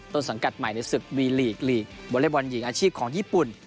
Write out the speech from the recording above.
ต้นสังกัดใหม่ในศึกวีลีกหลีกบรรยบรรยีอาชีพของญี่ปุ่น